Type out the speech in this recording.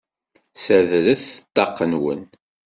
Ssadret ṭṭaq-nwen!